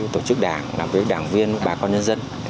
tổ chức đảng làm với đảng viên bà con nhân dân